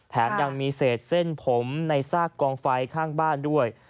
แถมยังมีเศษเส้นผมในซากกองไฟข้างบ้านด้วย